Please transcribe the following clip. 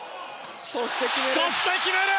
そして、決める！